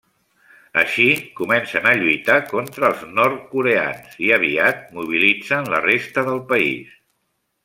Així, comencen a lluitar contra els nord-coreans i aviat mobilitzen la resta del país.